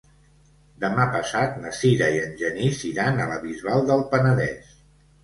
Demà passat na Sira i en Genís iran a la Bisbal del Penedès.